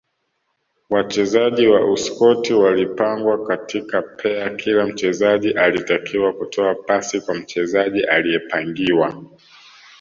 Wachezaji wa Uskoti walipangwa katika pea kila mchezaji alitakiwa kutoa pasi kwa mchezaji aliyepangiwa